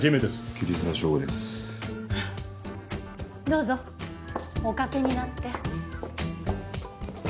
どうぞおかけになって。